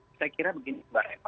iya saya kira begini pak